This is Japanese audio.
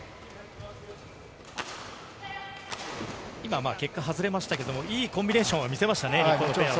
今、結果外れましたけど、いいコンビネーションを見せましたね、このペアは。